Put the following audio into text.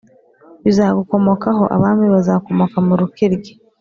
Bizagukomokaho abami bazakomoka mu rukiryi